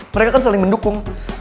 mereka kan saling mendukung